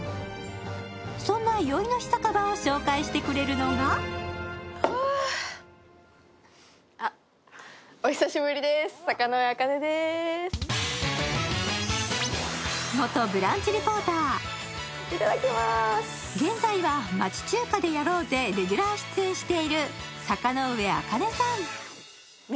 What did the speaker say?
そんなよいの日酒場を紹介してくれるのが現在は「町中華で飲ろうぜ」でレギュラー出演している坂ノ上茜さん。